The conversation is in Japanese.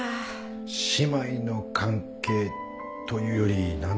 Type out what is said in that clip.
姉妹の関係というより何というか。